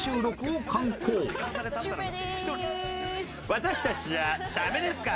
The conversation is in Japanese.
私たちじゃダメですか？